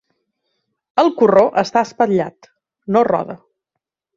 El corró està espatllat: no roda.